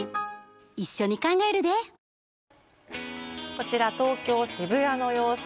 こちら東京・渋谷の様子。